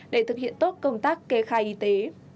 để thực hiện tốt công tác kê khai y tế